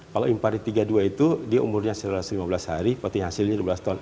kalau impari tiga puluh dua itu dia umurnya satu ratus lima belas hari berarti hasilnya dua belas ton